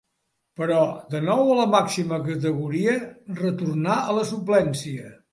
Però, de nou a la màxima categoria, retorna a la suplència.